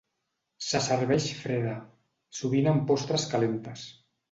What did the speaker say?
Se serveix freda, sovint amb postres calentes.